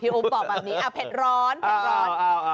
อุ๊บบอกแบบนี้เผ็ดร้อนเผ็ดร้อน